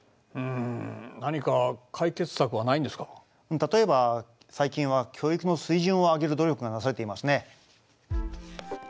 例えば最近は教育の水準を上げる努力がなされていますね。